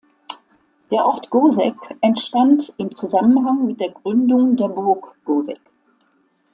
Der Ort Goseck entstand im Zusammenhang mit der Gründung der Burg Goseck.